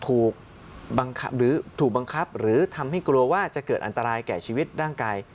ถูกบังคับหรือถูกบังคับหรือทำให้กลัวว่าจะเกิดอันตรายแก่ชีวิตร่างกาย